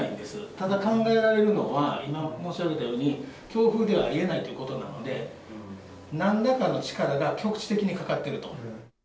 ただ考えられるのは、今申し上げたように、強風ではありえないということなので、なんらかの力が局地的にかかってると。